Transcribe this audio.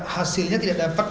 hasilnya tidak dapat